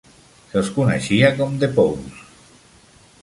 Se'ls coneixia com The Posse.